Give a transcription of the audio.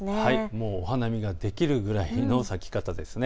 もうお花見ができるくらいの咲き方ですね。